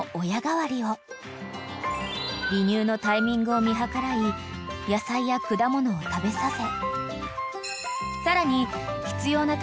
［離乳のタイミングを見計らい野菜や果物を食べさせさらに］